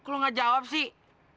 lu nggak jawab sih